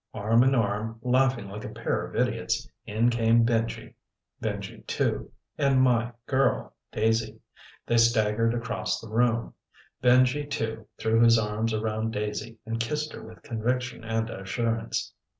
Arm in arm, laughing like a pair of idiots, in came Benji Benji II and my girl, Daisy. They staggered across the room. Benji II threw his arms around Daisy and kissed her with conviction and assurance.